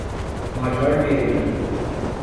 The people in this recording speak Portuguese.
Major Vieira